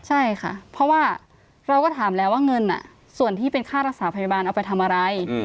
ใช่ค่ะเพราะว่าเราก็ถามแล้วว่าเงินส่วนที่เป็นค่ารักษาพยาบาลเอาไปทำอะไร